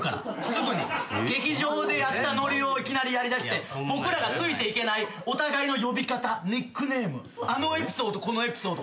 劇場でやったノリをいきなりやりだして僕らがついていけないお互いの呼び方ニックネームあのエピソードこのエピソード